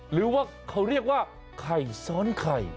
หรือว่าเขาเรียกว่าไข่ซ้อนไข่